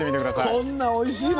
こんなおいしいの。